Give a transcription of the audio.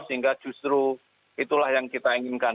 sehingga justru itulah yang kita inginkan